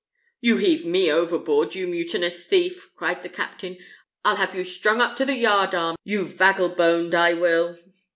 "You heave me overboard, you mutinous thief!" cried the captain; "I'll have you strung up to the yard arm, you vaggleboned! I will."